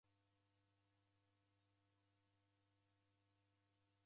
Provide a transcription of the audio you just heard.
W'adaw'ana w'ashamishwa